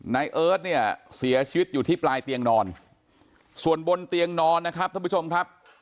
เอิร์ทเนี่ยเสียชีวิตอยู่ที่ปลายเตียงนอนส่วนบนเตียงนอนนะครับท่านผู้ชมครับ